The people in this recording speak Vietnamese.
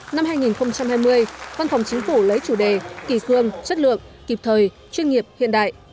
năm hai nghìn hai mươi văn phòng chính phủ lấy chủ đề kỳ khương chất lượng kịp thời chuyên nghiệp hiện đại